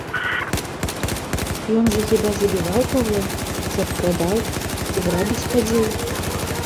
Ён жа хіба забіваў каго, ці абкрадаў, ці грабіць хадзіў?